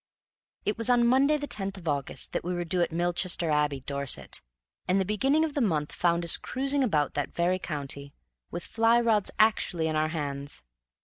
It was on Monday, the tenth of August, that we were due at Milchester Abbey, Dorset; and the beginning of the month found us cruising about that very county, with fly rods actually in our hands.